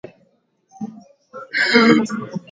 amesalimu amri na sasa yupo tayari kuzungumza